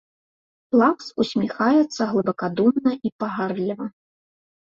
Плакс усміхаецца глыбакадумна і пагардліва.